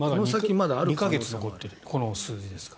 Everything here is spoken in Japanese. まだ２か月残っていてこの数字ですから。